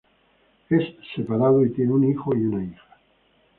Es separado y tiene un hijo y una hija.